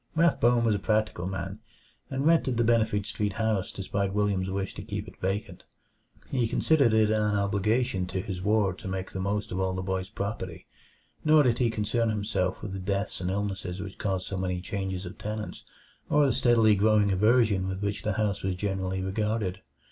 Rathbone was a practical man, and rented the Benefit Street house despite William's wish to keep it vacant. He considered it an obligation to his ward to make the most of all the boy's property, nor did he concern himself with the deaths and illnesses which caused so many changes of tenants, or the steadily growing aversion with which the house was generally regarded.